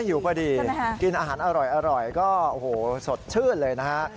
อยู่พอดีกินอาหารอร่อยก็โอ้โหสดชื่นเลยนะฮะ